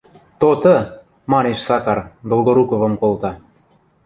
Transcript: — Тоты! — манеш Сакар, Долгоруковым колта.